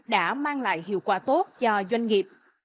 đã mang lại hiệu quả tốt cho doanh nghiệp